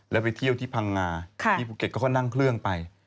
แล้วไปเที่ยวที่พังงาที่ภูเก็ตเขาก็นั่งเครื่องไป